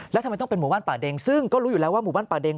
แล้วทำไมต้องเป็นหมู่บ้านป่าเด็งซึ่งก็รู้อยู่แล้วว่าหมู่บ้านป่าเด็ง